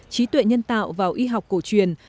trí tuệ nhân tạo vào y học cổ truyền